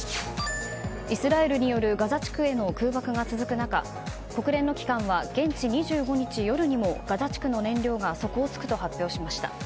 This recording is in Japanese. イスラエルによるガザ地区への空爆が続く中国連の機関は現地２５日夜にもガザ地区の燃料が底をつくと発表しました。